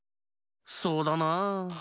そうだなあ。